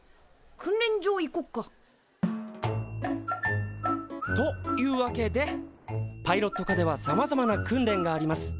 訓練場行こっか。というわけでパイロット科ではさまざまな訓練があります。